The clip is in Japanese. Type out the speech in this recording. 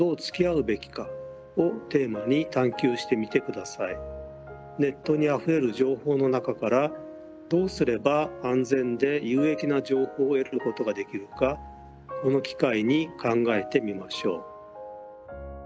皆さんもネットにあふれる情報の中からどうすれば安全で有益な情報を得ることができるかこの機会に考えてみましょう。